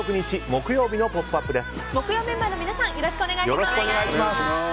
木曜メンバーの皆さんよろしくお願いします。